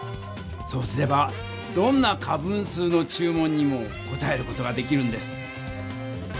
そうすればどんな仮分数の注文にもこたえる事ができるんです。